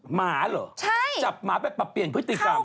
หมาเหรอจับหมาไปปรับเปลี่ยนพฤติกรรม